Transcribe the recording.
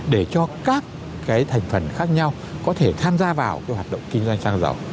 để cho các thành phần khác nhau có thể tham gia vào hoạt động kinh doanh xăng dầu